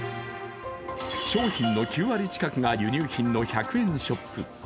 商品の９割近くが輸入品の１００円ショップ。